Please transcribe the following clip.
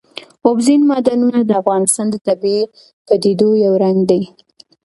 اوبزین معدنونه د افغانستان د طبیعي پدیدو یو رنګ دی.